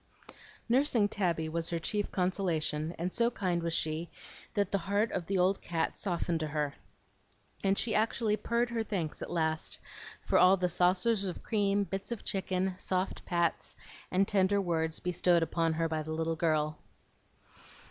Nursing Tabby was her chief consolation; and so kind was she, that the heart of the old cat softened to her, and she actually purred her thanks at last, for all the saucers of cream, bits of chicken, soft pats, and tender words bestowed upon her by the little girl.